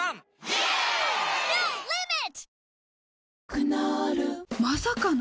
クノールまさかの！？